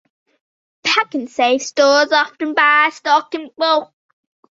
Pak'nSave stores often buys stock in bulk.